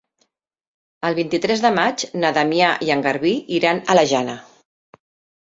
El vint-i-tres de maig na Damià i en Garbí iran a la Jana.